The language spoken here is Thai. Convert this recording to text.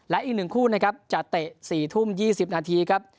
และอีก๑คู่นะครับจะเตะ๔ทุ่ม๒๐นาทีครับ